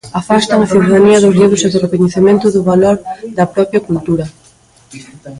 Afastan á cidadanía dos libros e do recoñecemento do valor da propia cultura.